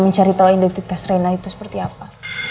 mencari tahu identitas rena itu seperti apa